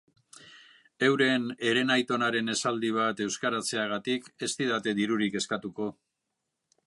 Euren herenaitonaren esaldi bat euskaratzeagatik ez didate dirurik eskatuko.